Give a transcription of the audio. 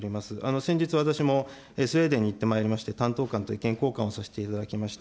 先日、私もスウェーデンに行ってまいりまして、担当官と意見交換をさせていただきました。